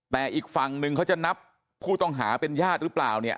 แต่อีกฝั่งนึงเขาจะนับผู้ต้องหาเป็นญาติหรือเปล่าเนี่ย